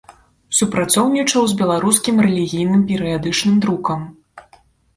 Супрацоўнічаў з беларускім рэлігійным перыядычным друкам.